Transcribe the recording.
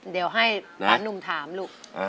เดี๋ยวให้หลานนุ่มถามลูก